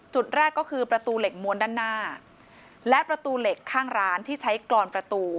จุดแรกก็คือประตูเหล็กมวลด้านหน้าและประตูเหล็กข้างร้านที่ใช้กรอนประตู